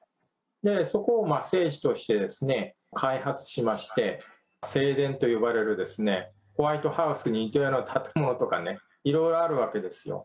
そこを聖地として開発しまして、正殿と呼ばれるホワイトハウスに似たような建物とかね、いろいろあるわけですよ。